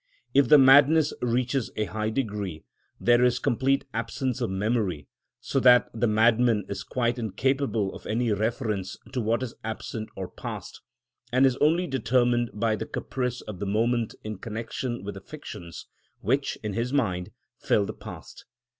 If the madness reaches a high degree, there is complete absence of memory, so that the madman is quite incapable of any reference to what is absent or past, and is only determined by the caprice of the moment in connection with the fictions which, in his mind, fill the past.